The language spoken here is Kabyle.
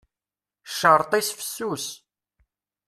Ccerṭ-is fessus.